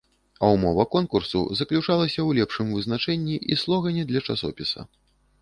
А ўмова конкурсу заключалася ў лепшым вызначэнні і слогане для часопіса.